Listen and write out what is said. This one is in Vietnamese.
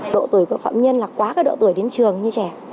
độ tuổi của phạm nhân là quá cái độ tuổi đến trường như trẻ